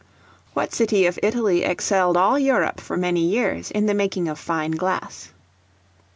What city of Italy excelled all Europe for many years in the making of fine glass?